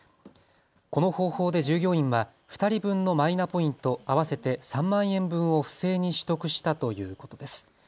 この方法で従業員は２人分のマイナポイント合わせて３万円分を不正に取得したということです。